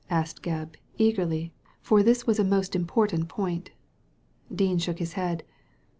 asked Gebb, eagerly, for this was a most important point. Dean shook his head.